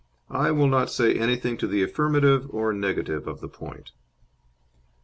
I will not say anything to the affirmative or negative of the point."